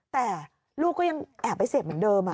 แต่ลูกก็ยังแอบไปเสพเหมือนเดิม